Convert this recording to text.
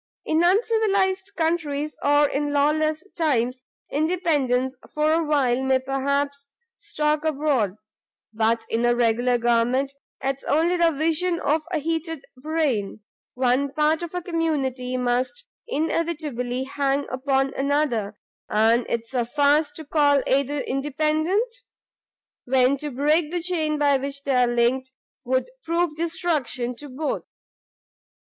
In uncivilised countries, or in lawless times, independence, for a while, may perhaps stalk abroad; but in a regular government, 'tis only the vision of a heated brain; one part of a community must inevitably hang upon another, and 'tis a farce to call either independent, when to break the chain by which they are linked would prove destruction to both.